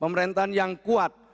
pemerintahan yang berkembang